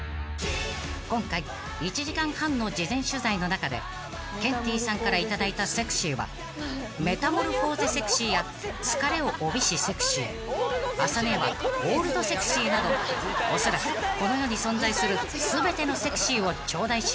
［今回１時間半の事前取材の中でケンティーさんから頂いたセクシーはメタモルフォーゼセクシーや疲れを帯びしセクシーあさ姉はオールドセクシーなどおそらくこの世に存在する全てのセクシーを頂戴しました］